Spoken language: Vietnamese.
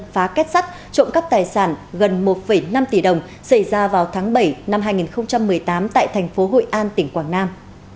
phá kết sắt trộm cắp tài sản gần một năm tỷ đồng xảy ra vào tháng bảy năm hai nghìn một mươi tám tại thành phố hội an tỉnh quảng nam